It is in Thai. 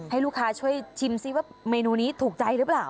ให้ลูกค้าช่วยชิมซิว่าเมนูนี้ถูกใจหรือเปล่า